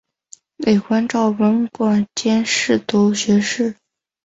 累官昭文馆兼侍读学士。